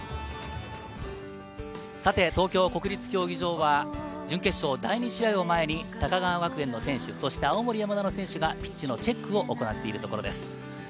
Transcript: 東京・国立競技場は準決勝第２試合を前に高川学園の選手、そして青森山田の選手がピッチのチェックを行っているところです。